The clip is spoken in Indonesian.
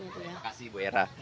terima kasih bu hera